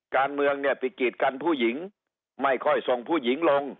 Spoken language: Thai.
การเมืองเนี่ยไปกีดกันผู้หญิงไม่ค่อยส่งผู้หญิงลง